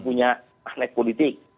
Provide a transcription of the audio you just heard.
punya aneh politik